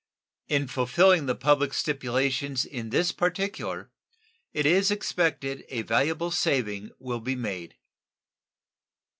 In fulfilling the public stipulations in this particular it is expected a valuable saving will be made.